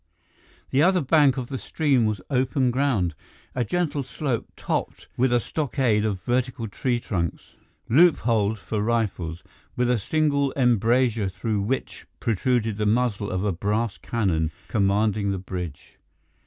The other bank of the stream was open ground—a gentle slope topped with a stockade of vertical tree trunks, loopholed for rifles, with a single embrasure through which protruded the muzzle of a brass cannon commanding the bridge.